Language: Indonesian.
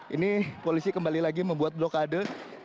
ini polisi kembali lagi membuat blokade